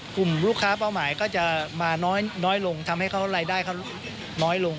กลุ่มลูกค้าเป้าหมายก็จะมาน้อยลงทำให้เขารายได้เขาน้อยลง